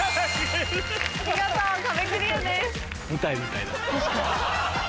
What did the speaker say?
見事壁クリアです。